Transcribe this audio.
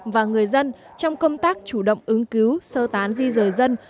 và người dân trong công tác chủ động ứng cứu sơ tán di rời dân